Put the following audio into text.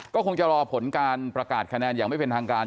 ก็คงจะรอผลการประกาศคะแนนอย่างไม่เป็นทางการ